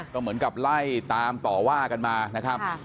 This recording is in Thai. ก็เหมือนกับไล่ตามต่อว่ากันมานะครับ